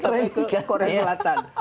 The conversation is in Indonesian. kurni ke korea selatan